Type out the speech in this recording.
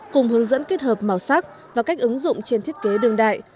cùng hướng dẫn kết hợp màu sắc và cách ứng dụng trên thiết kế đường đại